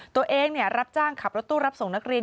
ตัวเองรับจ้างขับรถตู้รับส่งนักเรียน